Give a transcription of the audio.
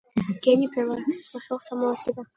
Гений превзошел самого себя.